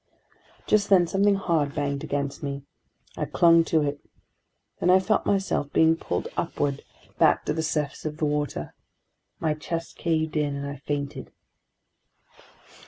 ... Just then something hard banged against me. I clung to it. Then I felt myself being pulled upward, back to the surface of the water; my chest caved in, and I fainted.